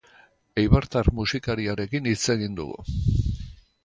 Eibartar musikariarekin hitz egin dugu.